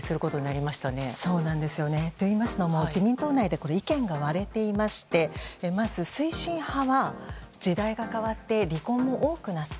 といいますのも自民党内で意見が割れていましてまず推進派は時代が変わって離婚も多くなった。